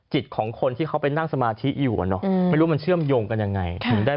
จิตของคนที่เขาไปนั่งสมาธิ